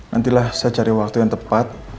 nantilah saya cari waktu yang tepat